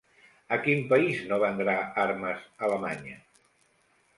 A quin país no vendrà armes Alemanya?